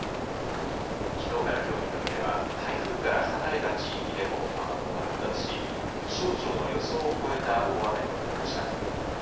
きのうからきょうにかけては台風から離れた地域でも雨雲が発達し気象庁の予想を超えた大雨となりました。